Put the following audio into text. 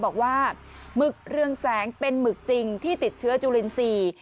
บอกว่าหมึกเรืองแสงเป็นหมึกจริงที่ติดเชื้อจุลินทรีย์